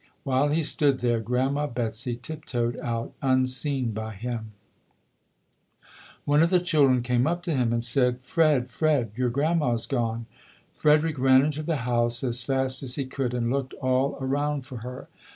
While he stood there Grand ma Betsy tip toed out unseen by him. FREDERICK DOUGLASS [ 17 One of the children came up to him and said, "Fred, Fred, your grandma's gone!" Frederick ran into the house as fast as he could and looked all around for her.